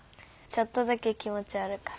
ちょっとだけ気持ち悪かった。